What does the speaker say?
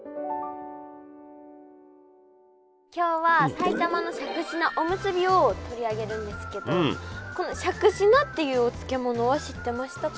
今日は埼玉のしゃくし菜おむすびを取り上げるんですけどこのしゃくし菜っていうお漬物は知ってましたか？